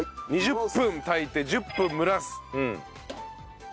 ２０分炊いて１０分蒸らす。